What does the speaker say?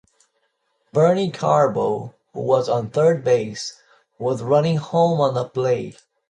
Bernie Carbo, who was on third base, was running home on the play.